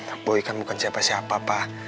ah boy kan bukan siapa siapa pak